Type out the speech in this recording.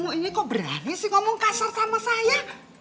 kamu ini kok berani sih ngomong kasar sama saya